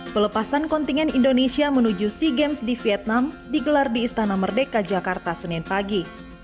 pelepasan kontingen indonesia menuju sea games di vietnam digelar di istana merdeka jakarta senin pagi